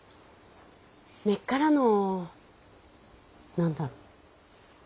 根っからの何だろ。